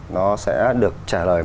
nó sẽ được trả lời